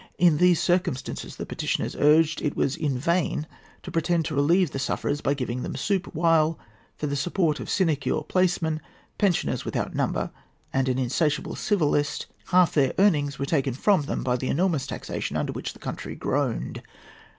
In these circumstances, the petitioners urged, it was in vain to pretend to relieve the sufferers by giving them soup, while, for the support of sinecure placemen, pensioners without number, and an insatiable civil list, half their earnings were taken from them by the enormous taxation under which the country groaned.